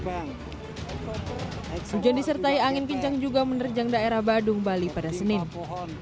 bang hujan disertai angin kencang juga menerjang daerah badung bali pada senin